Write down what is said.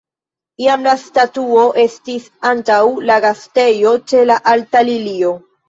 Iam la statuo estis antaŭ la Gastejo ĉe la alta lilio.